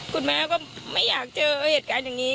คุณแม่ก็ไม่อยากเจอเหตุการณ์อย่างนี้